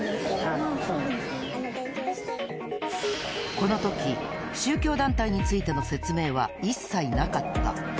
この時、宗教団体についての説明は一切なかった。